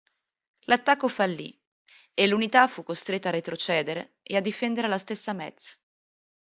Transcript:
L'attacco fallì e l'unità fu costretta a retrocedere e a difendere la stessa Metz.